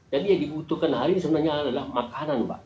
jadi yang dibutuhkan hari ini sebenarnya adalah makanan mbak